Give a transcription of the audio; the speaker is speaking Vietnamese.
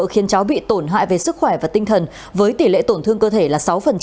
khiến cháu bị tổn hại về sức khỏe và tinh thần với tỷ lệ tổn thương cơ thể là sáu